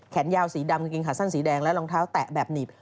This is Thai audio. ยาวสีดำกางเกงขาสั้นสีแดงและรองเท้าแตะแบบหนีบ